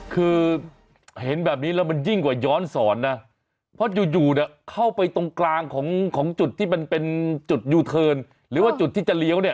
คือเห็นแบบนี้แล้วมันยิ่งกว่าย้อนสอนนะเพราะอยู่เนี่ยเข้าไปตรงกลางของจุดที่มันเป็นจุดยูเทิร์นหรือว่าจุดที่จะเลี้ยวเนี่ย